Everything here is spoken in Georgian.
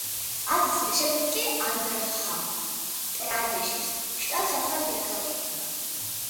ათი წლის შემდეგ კი ანდჰრა-პრადეშის შტატს ახალი დედაქალაქი ექნება.